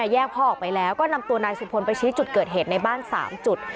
แยกพ่อออกไปแล้วก็นำตัวนายสุพลไปชี้จุดเกิดเหตุในบ้าน๓จุด